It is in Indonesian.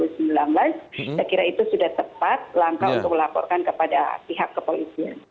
saya kira itu sudah tepat langkah untuk melaporkan kepada pihak kepolisian